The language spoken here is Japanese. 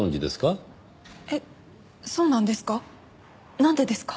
えっそうなんですか？